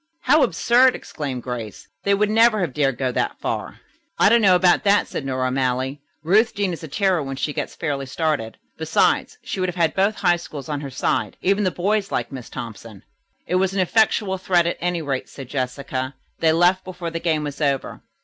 "How absurd!" exclaimed Grace. "They would never have dared to go that far." "I don't know about that," said Nora O'Malley. "Ruth Deane is a terror when she gets fairly started. Besides, she would have had both High Schools on her side. Even the boys like Miss Thompson." "It was an effectual threat at any rate," said Jessica. "They left before the game was over.